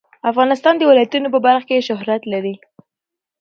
افغانستان د ولایتونو په برخه کې شهرت لري.